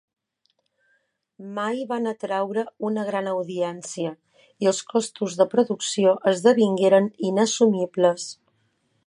Mai van atraure una gran audiència, i els costos de producció esdevingueren inassumibles.